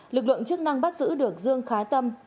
lực lượng chức năng bắt giữ được dương khá tâm